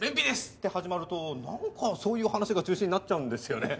って始まるとなんかそういう話が中心になっちゃうんですよね。